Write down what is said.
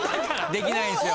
できないんすよ。